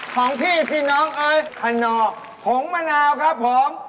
ของพี่ซี่น้องเอ๋คะโนโขงมะนาวครับผม